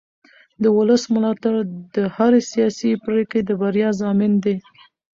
د ولس ملاتړ د هرې سیاسي پرېکړې د بریا ضامن دی